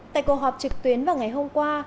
tại cuộc họp trực tuyến vào ngày hôm qua